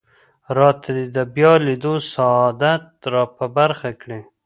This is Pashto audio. راته دې د بیا لیدو سعادت را په برخه کړي.